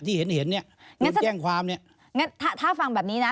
ที่เห็นเนี่ยนู่นแกล้งความเนี่ยถ้าฟังแบบนี้นะ